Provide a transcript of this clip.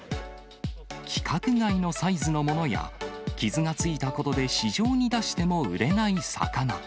規格外のサイズのものや、傷がついたことで市場に出しても売れない魚。